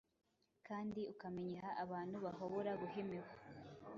kandi ukamenyeha abantu bahobora guhimihwa